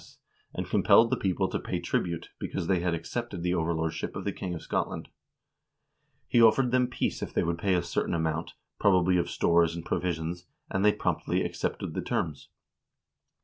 440 HISTORY OF THE NORWEGIAN PEOPLE and compelled the people to pay tribute, because they had accepted the overlordship of the king of Scotland. He offered them peace if they would pay a certain amount, probably of stores and provisions, and they promptly accepted the terms.